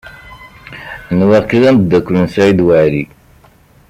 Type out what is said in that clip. Nwiɣ-k d amdakel n Saɛid Waɛli.